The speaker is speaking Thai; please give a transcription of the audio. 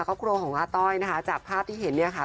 ครอบครัวของอาต้อยนะคะจากภาพที่เห็นเนี่ยค่ะ